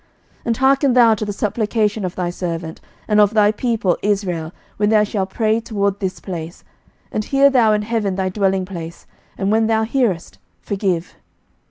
11:008:030 And hearken thou to the supplication of thy servant, and of thy people Israel, when they shall pray toward this place: and hear thou in heaven thy dwelling place: and when thou hearest, forgive.